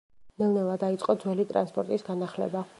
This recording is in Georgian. ნელ-ნელა დაიწყო ძველი ტრანსპორტის განახლება.